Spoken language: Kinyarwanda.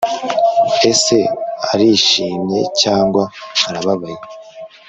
ese arishimye cyangwa arababaye